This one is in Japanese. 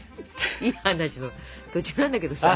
いい話の途中なんだけどさ。